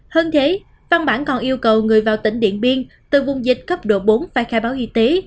hơn thế văn bản còn yêu cầu người vào tỉnh điện biên từ vùng dịch cấp độ bốn phải khai báo y tế